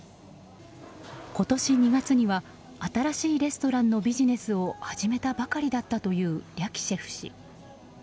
今年２月には新しいレストランのビジネスを始めたばかりだったというリャキシェフ氏。